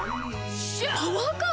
パワーカーブ⁉